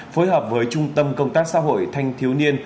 phối hợp với trung tâm công tác xã hội thanh thiếu niên